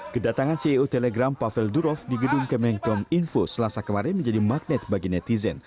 kedatangan ceo telegram pavel durov di gedung kemenkom info selasa kemarin menjadi magnet bagi netizen